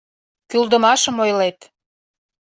— Кӱлдымашым ойлет.